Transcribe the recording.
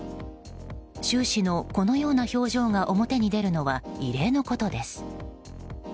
習氏のこのような表情が表に出るのは異例のことです。